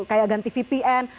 kayak ganti vpn